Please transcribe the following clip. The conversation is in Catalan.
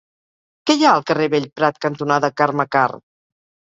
Què hi ha al carrer Bellprat cantonada Carme Karr?